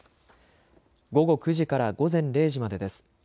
午後９時から午前０時までです。